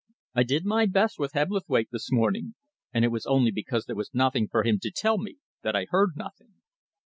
I did my best with Hebblethwaite this morning, and it was only because there was nothing for him to tell me that I heard nothing."